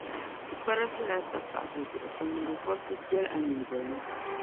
Tibikpara viɛl’ a tapaɣisi zuɣu ka nyiŋgokɔrisi viɛl’ a nyiŋgoli ni.